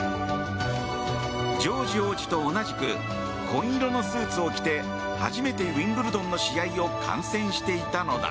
ジョージ王子と同じく紺色のスーツを着て初めてウィンブルドンの試合を観戦していたのだ。